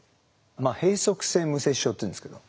閉塞性無精子症っていうんですけど。